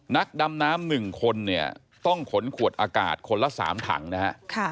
นักดำน้ำ๑คนเนี่ยต้องขนขวดอากาศคนละ๓ถังนะฮะ